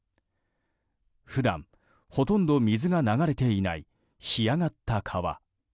普段、ほとんど水が流れていない干上がった川。